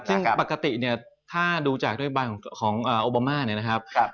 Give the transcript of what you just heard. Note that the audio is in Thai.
ซึ่งปกติเนี่ยถ้าดูจากด้วยใบของโอบามาเนี่ยนะครับ